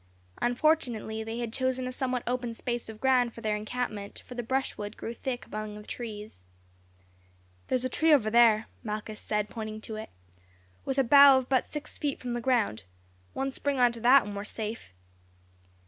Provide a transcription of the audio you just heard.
Unfortunately they had chosen a somewhat open space of ground for their encampment, for the brushwood grew thick among the trees. "There is a tree over there," Malchus said, pointing to it, "with a bough but six feet from the ground. One spring on to that and we are safe."